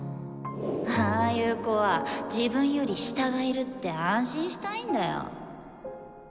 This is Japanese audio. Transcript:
ああいう子は自分より下がいるって安心したいんだよ。